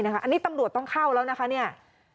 อันนี้ตำรวจต้องเข้าแล้วนะคะเนี่ย